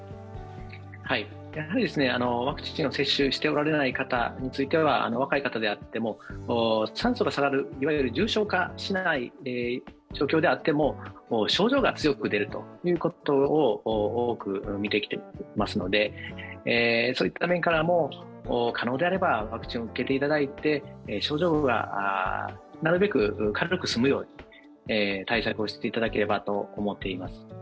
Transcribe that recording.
やはりワクチンを接種しておられない方については若い方であっても酸素が下がる重症化しない状況であっても症状が強く出ることを多く見てきていますので、そういった面からも可能であればワクチンを受けていただいて症状がなるべく軽く済むように対策をしていただければと思っています。